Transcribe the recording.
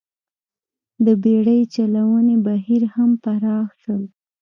د بېړۍ چلونې بهیر هم پراخ شول